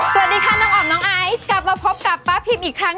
สวัสดีค่ะน้องออมน้องไอซ์กลับมาพบกับป้าพิมอีกครั้ง